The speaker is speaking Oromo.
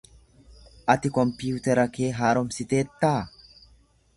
Ati kompiyuutara kee haaromsiteettaa?